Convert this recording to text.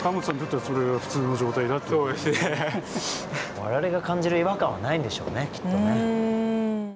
我々が感じる違和感はないんでしょうねきっとね。